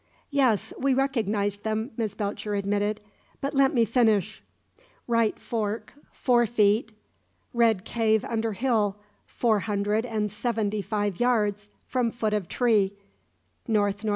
"Yes, we recognized them," Miss Belcher admitted. But let me finish: " "'Right fork, four feet. Red cave under hill, four hundred and seventy five yards from foot of tree, N.N.W.